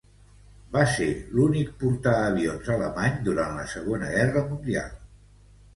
Va ser l'únic portaavions alemany durant la Segona Guerra Mundial.